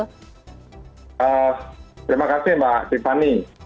terima kasih mbak tiffany